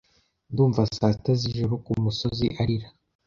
Ndumva saa sita z'ijoro kumusozi arira